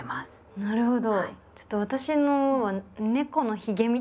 なるほど。